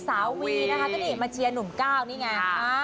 สาววี่นะคะจะได้ไม่มาเชียนหนุ่มก้าวนี่ไง